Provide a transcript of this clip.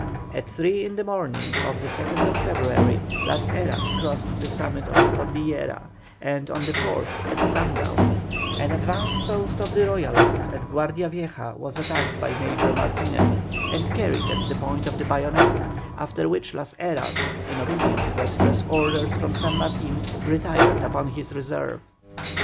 At three in the morning of the 2nd February Las Heras crossed the summit of the Cordillera, and on the 4th, at sundown, an advanced post of the Royalists at Guardia Vieja was attacked by Major Martinez, and carried at the point of the bayonet; after which Las Heras, in obedience to express orders from San Martin, retired upon his reserve.